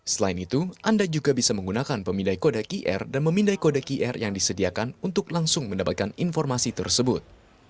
selain itu anda juga bisa menggunakan pemindai kode qr dan memindai kode qr yang disediakan untuk langsung mendapatkan informasi tersebut